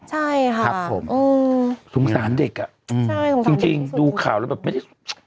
ใช่ค่ะสงสารเด็กอ่ะจริงดูข่าวแล้วแบบไม่ได้